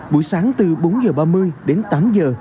buổi sáng từ bốn h ba mươi đến tám h